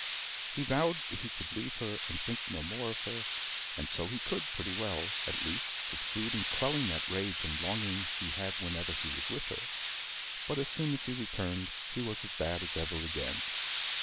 He vowed that he could leave her and think no more of her, and so he could pretty well, at least, succeed in quelling that rage and longing he had whenever he was with her; but as soon as he returned he was as bad as ever again.